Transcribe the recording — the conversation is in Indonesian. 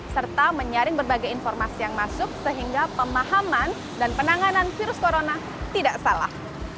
serta menyaring berbagai informasi yang masuk sehingga pemahaman dan penanganan virus corona tidak salah